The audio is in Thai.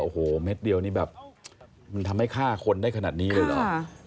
โอ้โหเม็ดเดียวนี่แบบมันทำให้ฆ่าคนได้ขนาดนี้เลยเหรอ